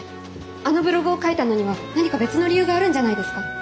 あのブログを書いたのには何か別の理由があるんじゃないですか？